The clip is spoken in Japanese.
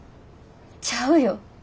ちゃうよ。